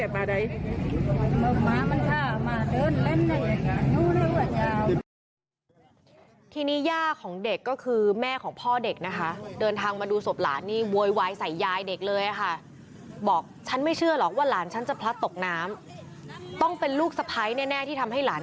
เป็นอะไรกันทุกคนรู้กันกัน